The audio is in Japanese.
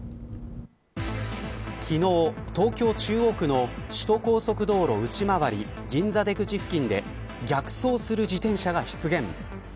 昨日、東京中央区の首都高速道路内回り銀座出口付近で逆走する自転車が出現。